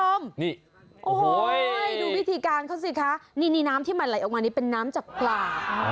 โอยยดูวิธีการเขาสิคะนี่น้ำที่เหมือนอะไรเป็นน้ำจากกล่าว